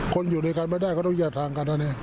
คนอยู่ด้วยกันไม่ได้ก็ต้องหย่าทางกันนะเนี่ย